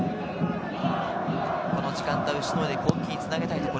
この時間帯をしのいで、攻撃につなげたいところ。